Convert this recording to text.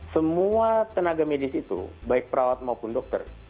semua tenaga medis itu baik perawat maupun dokter